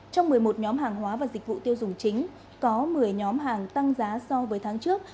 trong một mươi một nhóm hàng hóa và dịch vụ tiêu dùng chính có một mươi nhóm hàng tăng giá so với tháng trước